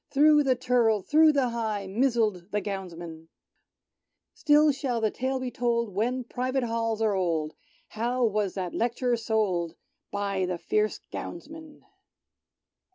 Thro' the Turl— through the High Mizzled the Gownsmen ! Still shall the tale be told, ■When Private Halls are old, How was that Lect'rer sold By the fierce Gownsmen